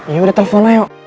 yaudah telpon ayo